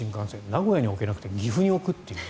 名古屋に置けなくて岐阜に置くという。